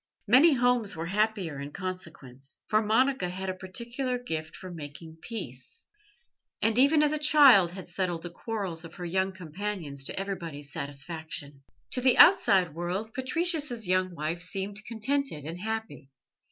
Many homes were happier in consequence, for Monica had a particular gift for making peace, and even as a child had settled the quarrels of her young companions to everybody's satisfaction. To the outside world Patricius's young wife seemed contented and happy.